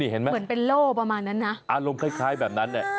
เหมือนเป็นโล่ประมาณนั้นนะอารมณ์คล้ายแบบนั้นเนี่ย